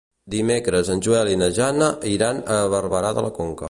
Dimecres en Joel i na Joana iran a Barberà de la Conca.